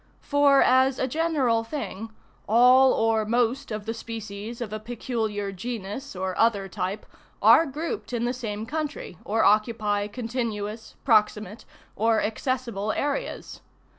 For, as a general thing, all or most of the species of a peculiar genus or other type are grouped in the same country, or occupy continuous, proximate, or accessible areas.